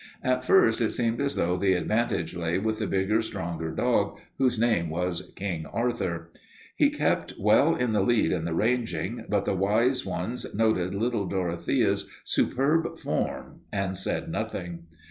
At first it seemed as though the advantage lay with the bigger, stronger dog, whose name was King Arthur. He kept well in the lead in the ranging, but the wise ones noted little Dorothea's superb form and said nothing.